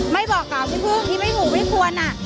ไม่บอกกล่าวพี่พึ่งพี่ไม่ถูกไม่ควร